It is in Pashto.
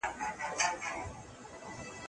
د سیاستوالو لیکنې ولې د شک لامل ګرځي؟